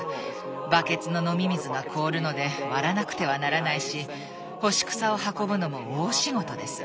バケツの飲み水が凍るので割らなくてはならないし干し草を運ぶのも大仕事です。